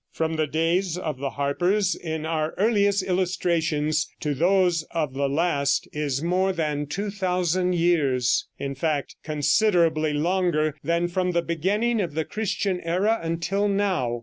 From the days of the harpers in our earliest illustrations to those of the last is more than 2,000 years, in fact considerably longer than from the beginning of the Christian era until now.